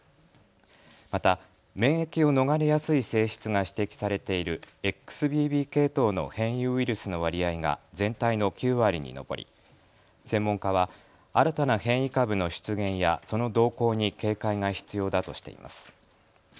また免疫を逃れやすい性質が指摘されているＸＢＢ系統の変異ウイルスの割合が全体の９割に上り専門家は新たな変異株の出現やその動向に警戒が必要だとしています。